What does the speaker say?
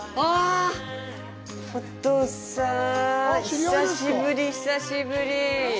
久しぶり、久しぶり。